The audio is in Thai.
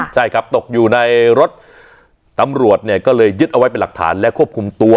ใช่ครับตกอยู่ในรถตำรวจเนี่ยก็เลยยึดเอาไว้เป็นหลักฐานและควบคุมตัว